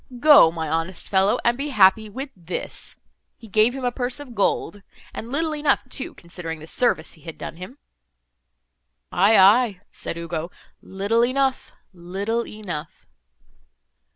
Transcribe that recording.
Go, my honest fellow, and be happy with this.' He gave him a purse of gold—and little enough too, considering the service he had done him." "Aye, aye," said Ugo, "little enough—little enough."